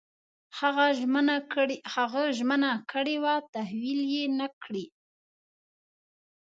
هغه ژمنه کړې وه تحویل یې نه کړې.